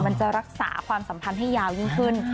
มันจะรักษาความสัมพันธ์ให้ยาวยิ่งขึ้น